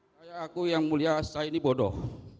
saya aku yang mulia saya ini bodoh